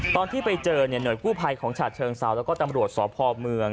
ตอนที่ไปเจอเนี่ยหน่วยกู้ภัยของฉาเชิงเซาแล้วก็ตำรวจสพเมือง